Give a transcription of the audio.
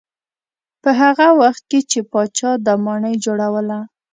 په هغه وخت کې چې پاچا دا ماڼۍ جوړوله.